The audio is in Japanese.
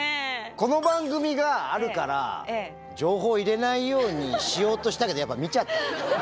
この番組があるから情報を入れないようにしようとしたけどやっぱ見ちゃった。